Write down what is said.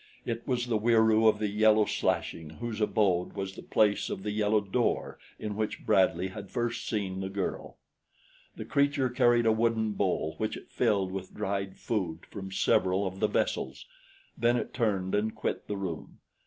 It was the Wieroo of the yellow slashing whose abode was the place of the yellow door in which Bradley had first seen the girl. The creature carried a wooden bowl which it filled with dried food from several of the vessels; then it turned and quit the room.